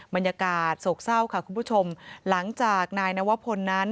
บรรยากาศโศกเศร้าค่ะคุณผู้ชมหลังจากนายนวพลนั้น